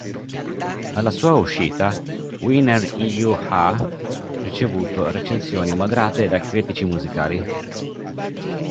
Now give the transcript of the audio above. Alla sua uscita, "Winner in You ha" ricevuto recensioni moderate da critici musicali.